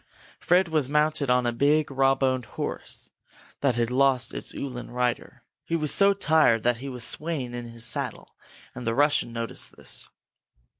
Fred was mounted now on a big, rawboned horse that had lost its Uhlan rider. He was so tired that he was swaying in his saddle, and the Russian noticed this.